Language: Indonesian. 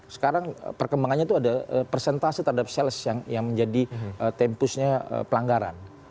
sekarang perkembangannya itu ada persentase terhadap sales yang menjadi tempusnya pelanggaran